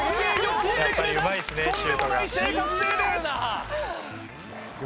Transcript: シュートがとんでもない正確性です